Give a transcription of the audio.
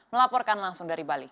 melaporkan langsung dari bali